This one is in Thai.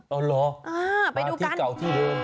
เอาเหรอมาที่เก่าที่เริ่ม